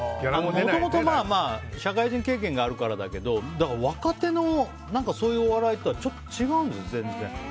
もともと社会人経験があるからだけどだから、若手のそういうお笑いとはちょっと違うんですよ、全然。